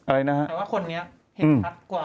แต่ว่าคนนี้เห็นชัดกว่า